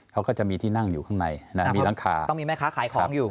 เขาก็จะมีที่นั่งอยู่ข้างในมีหลังคาต้องมีแม่ค้าขายของอยู่